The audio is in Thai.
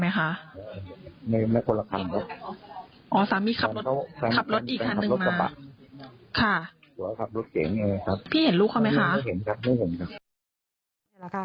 ไม่เห็นครับ